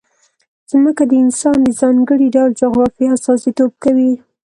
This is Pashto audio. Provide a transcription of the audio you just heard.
ځمکه د افغانستان د ځانګړي ډول جغرافیه استازیتوب کوي.